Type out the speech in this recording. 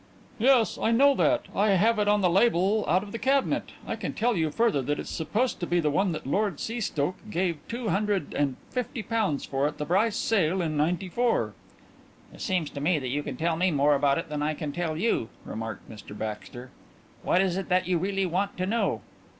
"Yes, I know that I have it on the label out of the cabinet. I can tell you further that it's supposed to be one that Lord Seastoke gave two hundred and fifty pounds for at the Brice sale in '94." "It seems to me that you can tell me more about it than I can tell you," remarked Mr Baxter. "What is it that you really want to know?"